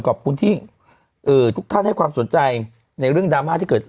ขอบคุณที่ทุกท่านให้ความสนใจในเรื่องดราม่าที่เกิด